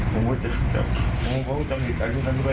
ผมว่าจะผมว่าจะเห็นอันนั้นด้วย